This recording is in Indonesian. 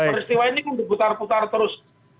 peristiwa ini kan diputar putar terus